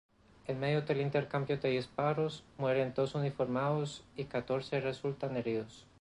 En medio del intercambio de disparos, mueren dos uniformados y catorce resultan heridos.